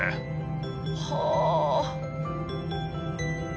はあ！